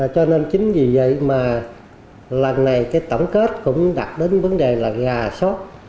cho nên chính vì vậy mà lần này cái tổng kết cũng đặt đến vấn đề là gà sót